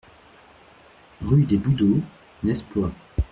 Rue des Boudeaux, Nesploy